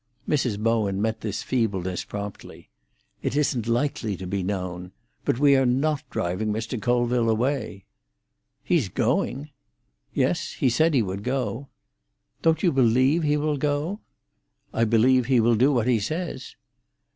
Mrs. Bowen met this feebleness promptly. "It isn't likely to be known. But we are not driving Mr. Colville away." "He is going." "Yes; he said he would go." "Don't you believe he will go?" "I believe he will do what he says."